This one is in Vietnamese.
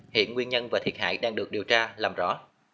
hiện nguyên nhân và thiệt hại đang được điều tra làm rõ